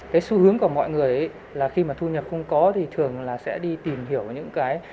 cái xu hướng của mọi người là khi mà thu nhập không có thì thường là sẽ đi tìm hiểu những cái